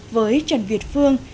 với trần việt phương